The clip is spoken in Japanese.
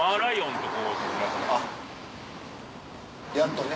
あっやっとね。